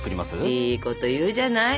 いいこと言うじゃない。